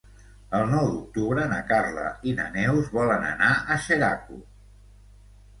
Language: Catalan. El nou d'octubre na Carla i na Neus volen anar a Xeraco.